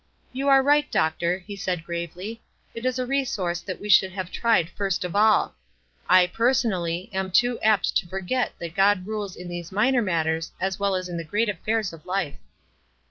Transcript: "You are right, doctor, 5 ' he said, gravely. "It is a resource that we should have tried 6rst of all. I, personally, am too apt to forget that God rules in these minor matters as well as in the great affairs of life."